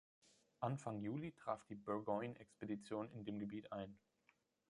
Anfang Juli traf die Burgoyne-Expedition in dem Gebiet ein.